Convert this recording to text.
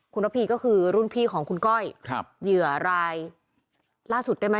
คุณระพีก็คือรุ่นพี่ของคุณก้อยเหยื่อรายล่าสุดได้ไหม